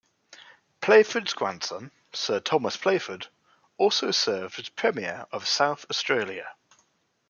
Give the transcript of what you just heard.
Playford's grandson, Sir Thomas Playford, also served as Premier of South Australia.